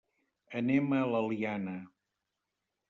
Anem a l'Eliana.